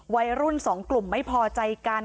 วัยรุ่นสองกลุ่มไม่พอใจกัน